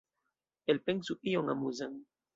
Elpensu ion amuzan.